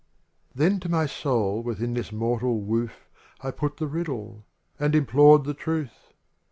Then to my soul within this mortal woof I put the riddle; and implored the truth.